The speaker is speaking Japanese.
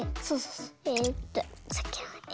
えっとさっきのａ。